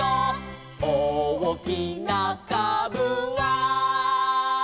「おおきなかぶは」